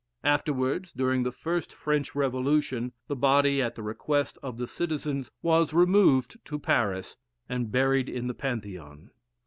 Afterwards, during the first French Revolution, the body, at the request of the citizens, was removed to Paris, and buried in the Pantheon.